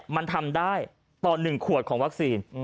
มันทำได้ต่อ๑ขวดของวัคซีน